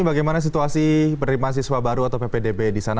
bagaimana situasi penerimaan siswa baru atau ppdb di sana